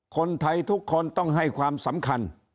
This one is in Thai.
คนไทยทุกคนต้องให้ความสำคัญ